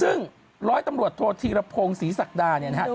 ซึ่งร้อยตำรวจโทษธีรพงศรีศักดาเนี่ยนะครับ